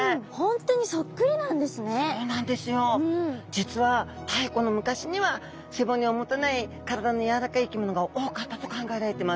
実は太古の昔には背骨を持たない体のやわらかい生き物が多かったと考えられてます。